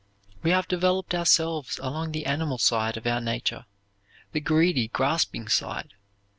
We have developed ourselves along the animal side of our nature; the greedy, grasping side.